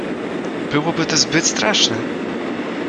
"Byłoby to zbyt straszne!"